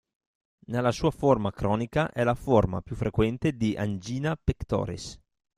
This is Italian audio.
Nella sua forma cronica è la forma più frequente di angina pectoris.